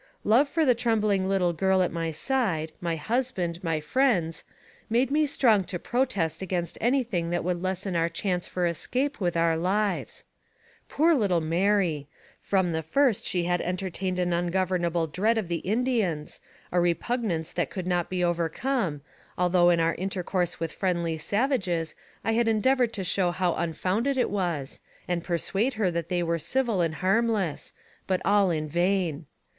Love for the trembling little girl at my side, my hus band, and friends, made me strong to protest against any thing that would lessen our chance for escape with our lives. Poor little Mary ! from the first she had enter tained an ungovernable dread of the Indians, a repug nance that could not be overcome, although in our intercourse with friendly savages, I had endeavored to show how unfounded it was, and persuade her that they were civil and harmless, but all in vain.